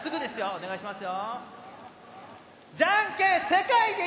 お願いしますよ。